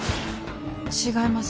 違います。